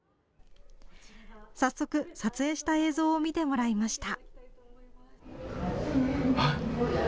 早速、撮影した映像を見てもらいました。